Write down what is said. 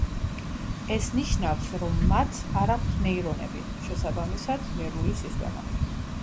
ეს ნიშნავს, რომ მათ არ აქვთ ნეირონები, შესაბამისად, ნერვული სისტემა.